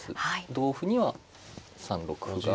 同歩には３六歩が。